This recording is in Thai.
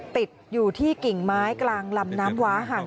ติดอยู่ที่กิ่งไม้กลางลำน้ำว้าห่าง